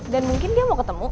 dan mungkin dia mau ketemu